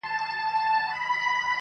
د عبدالباري جهاني منظومه ترجمه٫